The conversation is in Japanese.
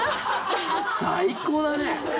最高だね！